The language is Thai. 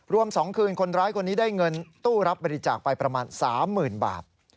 ๒คืนคนร้ายคนนี้ได้เงินตู้รับบริจาคไปประมาณ๓๐๐๐บาท